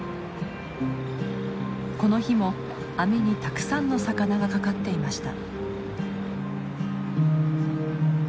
この日も網にたくさんの魚がかかっていました。